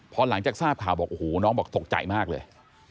พอหลังจากทราบข่าวบอกโอ้โหน้องบอกตกใจมากเลย